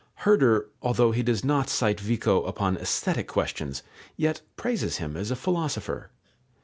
Herder, although he does not cite Vico upon aesthetic questions, yet praises him as a philosopher.